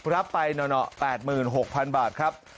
รับไปหน่อ๘๖๐๐๐บาทครับ